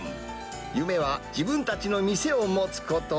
夢は自分たちの店を持つこと。